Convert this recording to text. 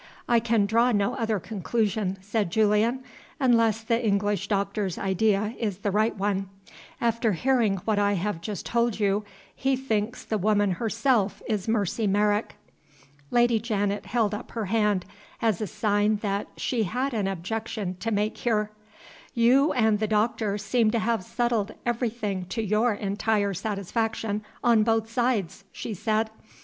"I can draw no other conclusion," said Julian, "unless the English doctor's idea is the right one. After hearing what I have just told you, he thinks the woman herself is Mercy Merrick." Lady Janet held up her hand as a sign that she had an objection to make here. "You and the doctor seem to have settled everything to your entire satisfaction on both sides," she said.